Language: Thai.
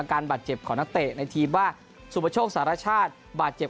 การบาดเจ็บของนักเตะในทีมว่าสุปโชคสารชาติบาดเจ็บ